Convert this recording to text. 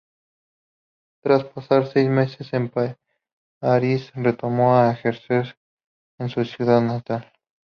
Tras pasar seis meses en París, retornó a ejercer en su ciudad natal.